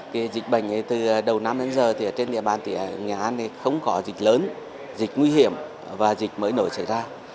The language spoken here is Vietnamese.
cái dịch bệnh từ đầu năm đến giờ thì ở trên địa bàn thì ở nga không có dịch lớn dịch nguy hiểm và dịch mới nổi xảy ra